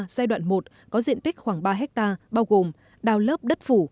giai đoạn một có diện tích khoảng ba hectare bao gồm đào lớp đất phủ